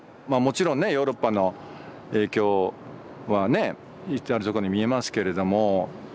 まあもちろんねヨーロッパの影響はね至るとこに見えますけれども。